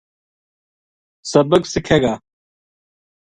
سبق سکھے گا